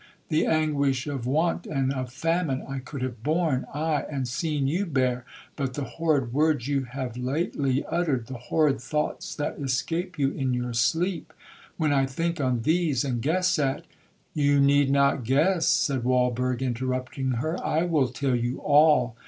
The anguish of want and of famine I could have borne,—aye, and seen you bear, but the horrid words you have lately uttered, the horrid thoughts that escape you in your sleep,—when I think on these, and guess at'—'You need not guess,' said Walberg, interrupting her, 'I will tell you all.'